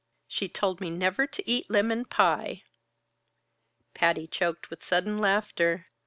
She told me never to eat lemon pie." Patty choked with sudden laughter.